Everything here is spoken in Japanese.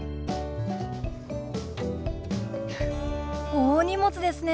大荷物ですね！